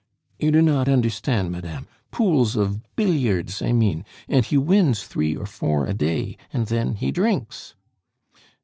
"You do not understand, madame, pools of billiards, I mean, and he wins three or four a day, and then he drinks."